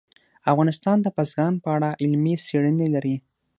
افغانستان د بزګان په اړه علمي څېړنې لري.